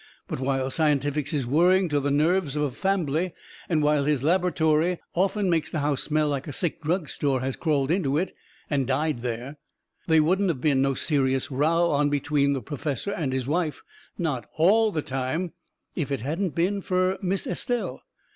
But while scientifics is worrying to the nerves of a fambly, and while his labertory often makes the house smell like a sick drug store has crawled into it and died there, they wouldn't of been no serious row on between the perfessor and his wife, not ALL the time, if it hadn't of been fur Miss Estelle.